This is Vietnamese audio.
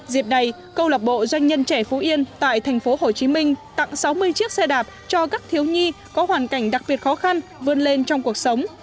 dịp này câu lạc bộ doanh nhân trẻ phú yên tại tp hcm tặng sáu mươi chiếc xe đạp cho các thiếu nhi có hoàn cảnh đặc biệt khó khăn vươn lên trong cuộc sống